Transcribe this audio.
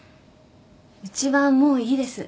うちはもういいです。